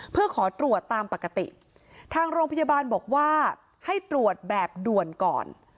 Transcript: เพื่อขอตรวจตามปกติทางโรงพยาบาลบอกว่าให้ตรวจแบบด่วนก่อน